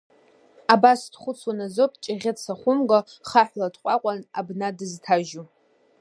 Абас дхәыцуан азоуп Ҷыӷьыц ахәымга, хаҳәла дҟәаҟәан, абна дызҭажьу.